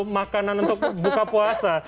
makanan untuk buka puasa